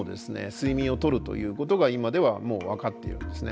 睡眠をとるということが今ではもう分かっているんですね。